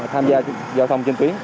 tham gia giao thông trên tuyến